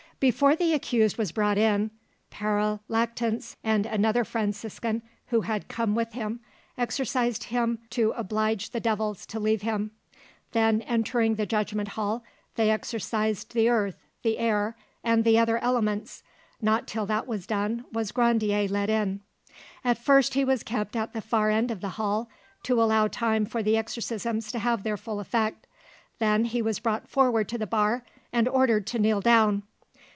Before the accused was brought in, Pere Lactance and another Franciscan who had come with him exorcised him to oblige the devils to leave him; then entering the judgment hall, they exorcised the earth, the air, "and the other elements." Not till that was done was Grandier led in. At first he was kept at the far end of the hall, to allow time for the exorcisms to have their full effect, then he was brought forward to the bar and ordered to kneel down.